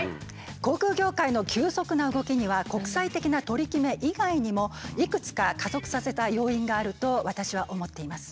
航空業界の急速な動きには国際的な取り決め以外にもいくつか加速させた要因があると私は思っています。